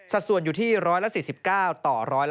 สัดส่วนอยู่ที่๑๔๙ต่อ๑๔๔